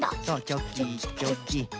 チョキチョキ。